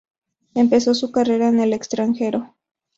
Empezó su carrera en el extranjero.